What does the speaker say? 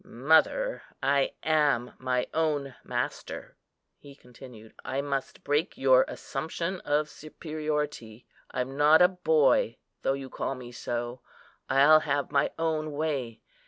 "Mother, I am my own master," he continued, "I must break your assumption of superiority. I'm not a boy, though you call me so. I'll have my own way.